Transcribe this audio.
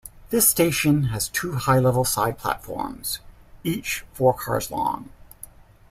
This station has two high-level side platforms, each four cars long.